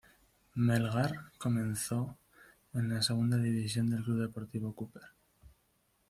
Melgar comenzó en la segunda división del Club Deportivo Cooper.